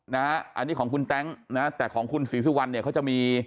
นะฮะอันนี้ของคุณตั้งนะแต่ของคุณศรีศวัญเขาจะมี